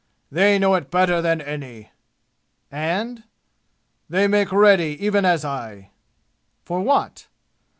"They know it better than any!" "And?" "They make ready, even as I." "For what?"